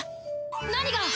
何が。